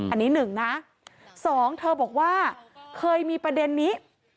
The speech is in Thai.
อันนี้๑นะ๒เธอบอกว่าเคยมีประเด็นนี้